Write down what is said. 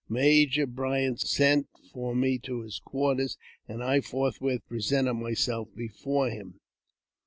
Major Bryant sent for me to his quarters, and I forthwith presented myself before him.